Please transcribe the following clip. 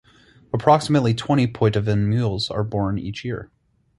Approximately twenty Poitevin mules are born each year.